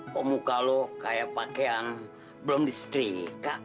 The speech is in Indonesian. kok muka lo kayak pakaian belum disetrika